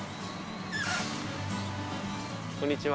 こんにちは。